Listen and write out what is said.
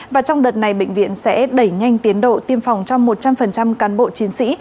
và trong đợt này bệnh viện sẽ đẩy nhanh tiến độ tiêm phòng cho một trăm linh cán bộ chiến sĩ